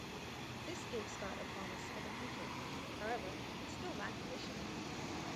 This gave Scott a promise of a future; however, it still lacked a mission.